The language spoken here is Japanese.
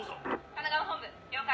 神奈川本部了解。